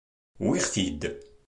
Wwiɣ-t-id.